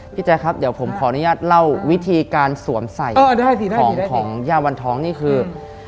พี่แจ้ครับผมขออนุญาตเล่าวิธีการสวมใส่ของยาวันทองนี่คือ